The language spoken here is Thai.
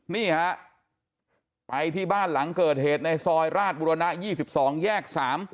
นี่ฮะไปที่บ้านหลังเกิดเหตุในซอยราชบุรณะ๒๒แยก๓